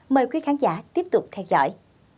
mời quý khán giả tiếp tục theo dõi